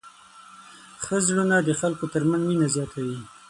ښه زړونه د خلکو تر منځ مینه زیاتوي.